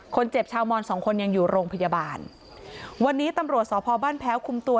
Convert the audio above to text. ชาวมอนสองคนยังอยู่โรงพยาบาลวันนี้ตำรวจสพบ้านแพ้วคุมตัว